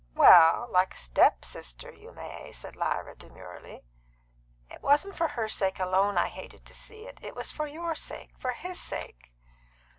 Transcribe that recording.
"Well, like a step sister, you may," said Lyra demurely. "It wasn't for her sake alone that I hated to see it. It was for your sake for his sake."